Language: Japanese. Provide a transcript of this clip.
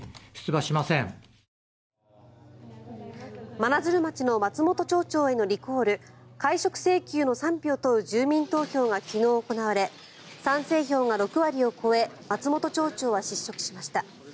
真鶴町の松本町長へのリコール、解職請求の賛否を問う住民投票が昨日行われ賛成票が６割を超え松本町長は失職しました。